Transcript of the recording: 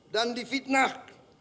dan di fitnah